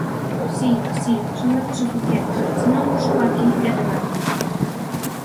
Si, si, son datos oficiais; se non, suba aquí e rebátao.